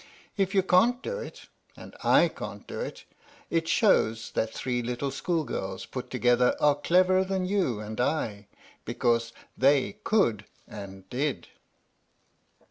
If you can't do it, and / can't do it, it shows that three little school girls put together are cleverer than you and I, because they could and did.